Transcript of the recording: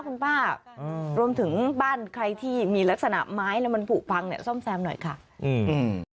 คุณป้าอืมรวมถึงบ้านใครที่มีลักษณะไม้แล้วมันผูกพังเนี่ยซ่อมแซมหน่อยค่ะอืม